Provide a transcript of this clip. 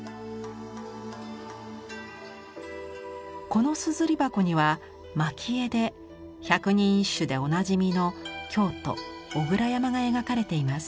この硯箱には蒔絵で百人一首でおなじみの京都小倉山が描かれています。